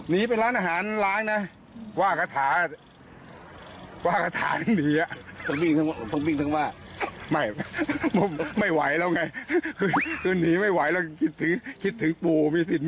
มันก็เลยหนีไป